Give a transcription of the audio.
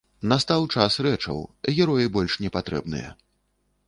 Настаў час рэчаў, героі больш не патрэбныя.